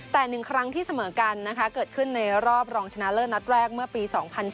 แต่๑ครั้งที่เสมอกันนะคะเกิดขึ้นในรอบรองชนะเลิศนัดแรกเมื่อปี๒๐๑๙